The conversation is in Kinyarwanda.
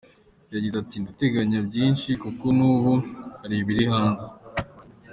Yagize ati: "Ndateganya byinshi kuko n'ubu hari ibiri hanze.